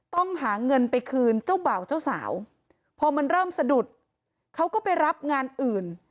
ต้องหาเงินไปคืนเจ้าบ่าวเจ้าสาวพอมันเริ่มสะดุดเขาก็ไปรับงานอื่น